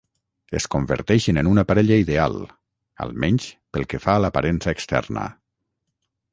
Es converteixen en una parella ideal, almenys pel que fa a l"aparença externa.